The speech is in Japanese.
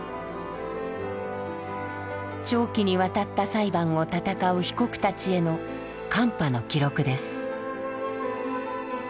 長期にわたった裁判を闘う被告たちへのカンパの記録です。